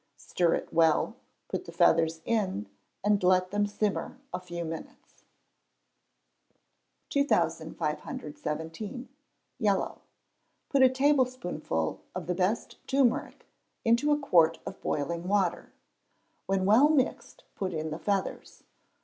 Stir it well, put the feathers in, and let them simmer a few minutes. 2517. Yellow. Put a tablespoonful of the best turmeric into a quart of boiling water; when well mixed put in the feathers.